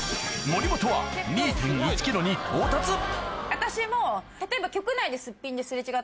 私も例えば。